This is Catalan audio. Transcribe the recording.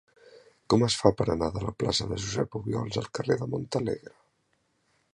Com es fa per anar de la plaça de Josep Obiols al carrer de Montalegre?